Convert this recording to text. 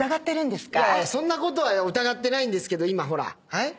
そんなこと疑ってないんですけど今ほらっはい？